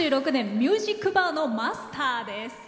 ミュージックバーのマスターです。